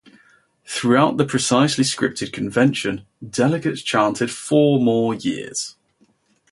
Throughout the precisely scripted convention, delegates chanted Four more years!